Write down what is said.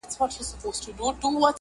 معابد یې نه ړنګول